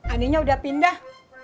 aninya udah pindah